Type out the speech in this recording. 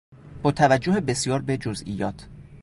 با توجه بسیار به جزئیات